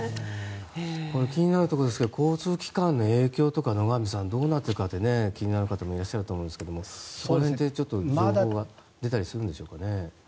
気になるところですけど交通機関の影響とか野上さん、どうなってるかって気になる方もいらっしゃると思うんですがそこら辺って情報が出たりするんでしょうかね。